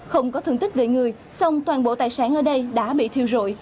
không có thường tích về người song toàn bộ tài sản ở đây đã bị thiêu dụi